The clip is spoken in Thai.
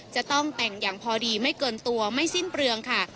จะต้องแต่งอย่างพอดีไม่เกินตัวไม่สิ้นเปลืองค่ะ